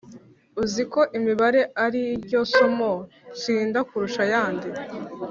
uziko imibare ariryo somo nstinda kurusha ayandi